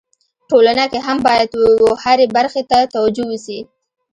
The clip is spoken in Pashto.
ټولنه کي هم باید و هري برخي ته توجو وسي.